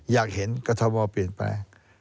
อยากเห็นกฎธมอล์เปลี่ยนไป